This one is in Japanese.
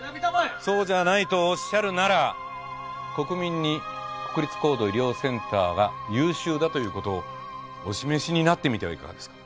そうじゃないとおっしゃるなら国民に国立高度医療センターが優秀だという事をお示しになってみてはいかがですか？